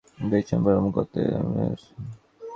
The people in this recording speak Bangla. বৈষম্য ভ্রমই যত দুঃখের মূল।